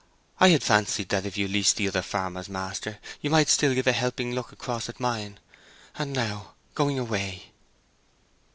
I had fancied that if you leased the other farm as master, you might still give a helping look across at mine. And now going away!"